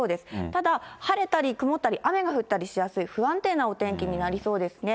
ただ、晴れたり曇ったり、雨が降ったりしやすい、不安定なお天気になりそうですね。